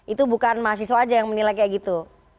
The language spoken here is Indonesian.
itu bukan mahasiswa aja yang menilai kayak gitu